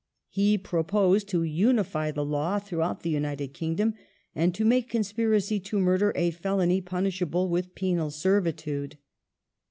He proposed to unify the law throughout the United Kingdom and to make conspiracy to murder a felony punish able with penal servitude.